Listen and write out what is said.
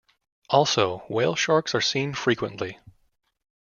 Also Whale Sharks are seen frequently.